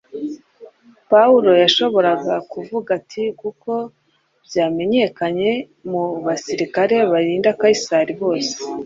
Pawulo yashoboraga kuvuga ati: “Kuko byamenyekanye mu basirikare barinda Kayisari bose,